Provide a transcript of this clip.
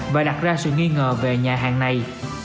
và đặt ra sự nghi ngờ về nhà hàng này